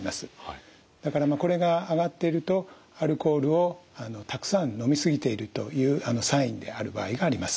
だからこれが上がってるとアルコールをたくさん飲み過ぎているというサインである場合があります。